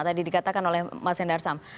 tadi dikatakan oleh mas hendarsam